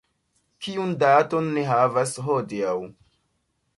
Kiun daton ni havas hodiaŭ?